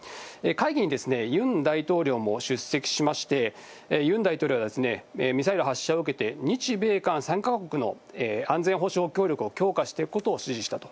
会議にユン大統領も出席しまして、ユン大統領はミサイル発射を受けて、日米韓３か国の安全保障協力を強化していくことを指示したと。